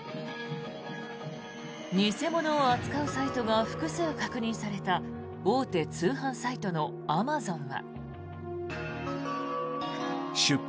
偽物を扱うサイトが複数確認された大手通販サイトのアマゾンは。